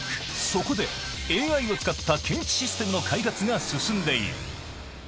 そこで、ＡＩを使った検知システムの開発が進んでいる。